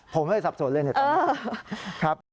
ผมก็จะสับสนเลยนะครับ